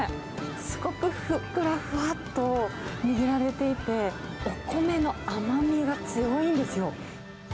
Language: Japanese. すごくふっくら、ふわっと握られていて、お米の甘みが強いんですよ。